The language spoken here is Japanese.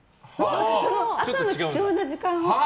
朝の貴重な時間を。